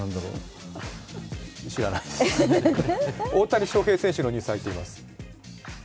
大谷翔平選手のニュース入っています。